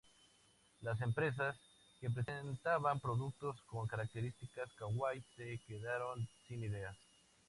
Las empresas que presentaban productos con características "kawaii" se quedaron sin ideas.